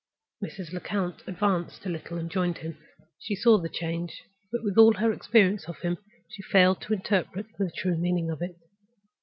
Mrs. Lecount advanced a little and joined him. She saw the change; but, with all her experience of him, she failed to interpret the true meaning of it.